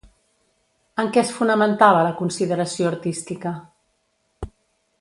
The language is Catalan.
En què es fonamentava la consideració artística?